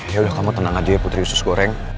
ya udah kamu tenang aja putri usus goreng